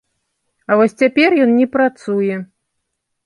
А вось цяпер ён не працуе.